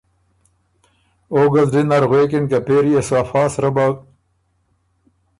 او ګه زلی نر غوېکِن که ”پېری يې سو ا فا سرۀ بۀ